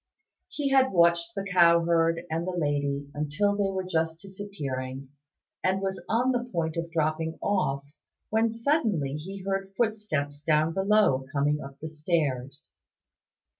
He had watched the Cow herd and the Lady until they were just disappearing, and was on the point of dropping off, when suddenly he heard footsteps down below coming up the stairs.